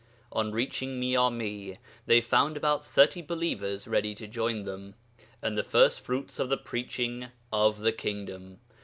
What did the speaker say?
On reaching Miyami they found about thirty believers ready to join them the first fruits of the preaching of the Kingdom.